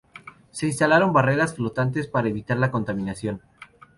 Se instalaron barreras flotantes para evitar la contaminación.